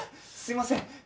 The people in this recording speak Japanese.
すいません。